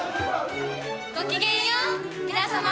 ごきげんよう皆さま。